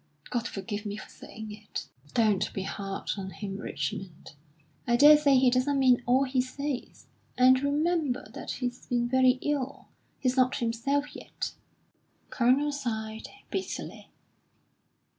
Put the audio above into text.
God forgive me for saying it!" "Don't be hard on him, Richmond. I daresay he doesn't mean all he says. And remember that he's been very ill. He's not himself yet." The Colonel sighed bitterly.